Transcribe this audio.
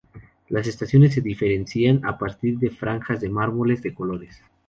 Las estaciones se diferencian a partir de franjas de mármoles de colores.